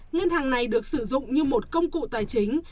ngân hàng này được sử dụng như một công cụ tài chính